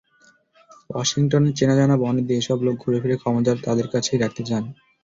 ওয়াশিংটনের চেনাজানা বনেদি এসব লোক ঘুরেফিরে ক্ষমতা তাঁদের কাছে রাখতে চান।